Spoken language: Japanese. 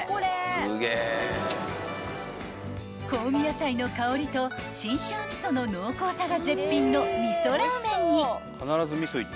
［香味野菜の香りと信州味噌の濃厚さが絶品のみそラーメンに］